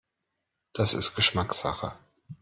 Das ist Geschmackssache.